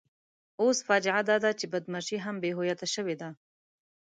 اوس فاجعه داده چې بدماشي هم بې هویته شوې ده.